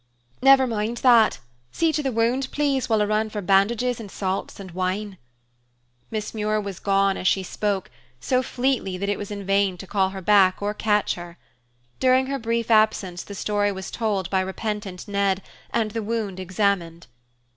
"Never mind that. See to the wound, please, while I ran for bandages, and salts, and wine." Miss Muir was gone as she spoke, so fleetly that it was in vain to call her back or catch her. During her brief absence, the story was told by repentant Ned and the wound examined.